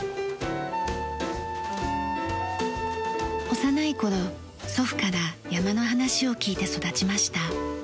幼い頃祖父から山の話を聞いて育ちました。